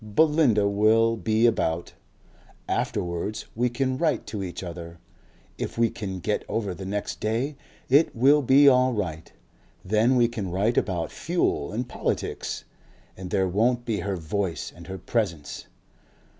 Belinda will be about.... Afterwards we can write to each other.... If we can get over the next day it will be all right. Then we can write about fuel and politics and there won't be her voice and her presence.